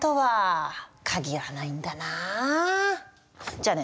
じゃあね！